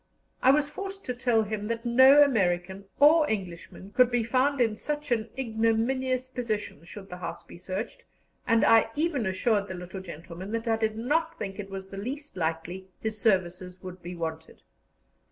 I was forced to tell him that no American or Englishman could be found in such an ignominious position, should the house be searched, and I even assured the little gentleman that I did not think it was the least likely his services would be wanted.